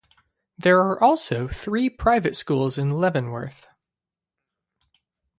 There are also three private schools in Leavenworth.